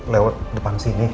lewat depan sini